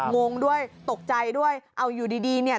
งงด้วยตกใจด้วยเอาอยู่ดีดีเนี่ย